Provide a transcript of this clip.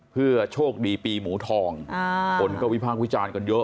เพื่อโชคดีปีหมูทองคนก็วิพากษ์วิจารณ์กันเยอะ